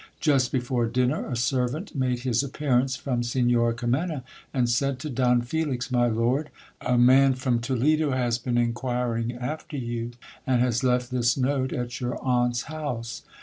Just before dinner, a servant made his appearance from Signora Kimena, and said to Don Felix — My lord, a man from Toledo has been inquiring after you, and has left this note at your aunt's house.